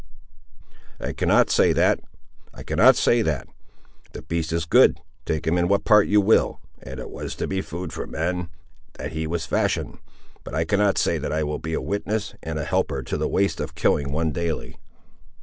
"I cannot say that, I cannot say that. The beast is good, take him in what part you will, and it was to be food for man that he was fashioned; but I cannot say that I will be a witness and a helper to the waste of killing one daily."